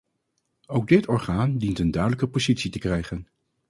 Ook dít orgaan dient een duidelijker positie te krijgen.